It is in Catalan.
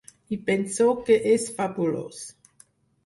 I penso que és fabulós!